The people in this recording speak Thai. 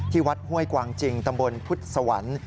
วัดห้วยกวางจริงตำบลพุทธสวรรค์